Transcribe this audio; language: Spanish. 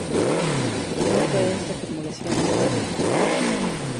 No fue esa la formulación hecha por Prebisch y por Singer.